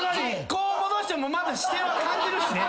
こう戻してもまだ視線は感じるしね。